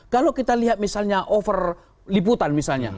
kalau kita lihat misalnya over liputan misalnya